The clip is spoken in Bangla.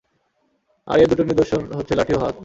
আর এ দুটো নিদর্শন হচ্ছে লাঠি ও হাত।